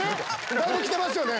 だいぶきてますよね。